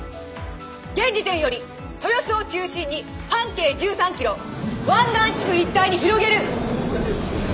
現時点より豊洲を中心に半径１３キロ湾岸地区一帯に広げる！